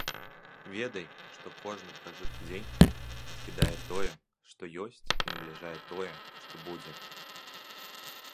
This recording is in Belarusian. Ведай, што кожны пражыты дзень адкідае тое, што ёсць, і набліжае тое, што будзе.